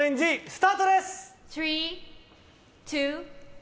スタートです！